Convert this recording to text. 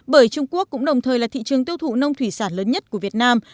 bởi trung quốc cũng đồng thời là thị trường tiêu thụ nông thủy sản lớn nhất của việt nam